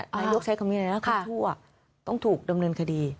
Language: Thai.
นายกใช้คำนี้เลยนะคนชั่วต้องถูกดำเนินคดี